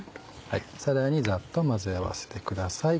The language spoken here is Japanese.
さらにザッと混ぜ合わせてください。